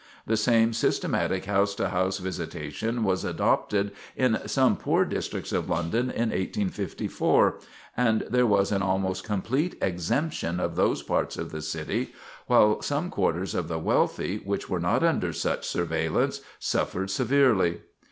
The same systematic house to house visitation was adopted in some poor districts of London in 1854, and there was an almost complete exemption of those parts of the city, while some quarters of the wealthy, which were not under such surveillance, suffered severely.